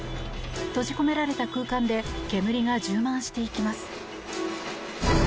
閉じ込められた空間で煙が充満していきます。